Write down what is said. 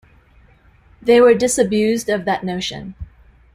They were disabused of that notion.